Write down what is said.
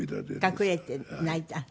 隠れて泣いた。